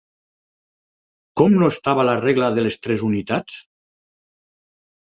Com no estava la regla de les «tres unitats»?